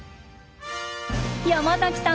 山崎さん